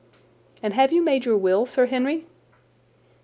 "And have you made your will, Sir Henry?"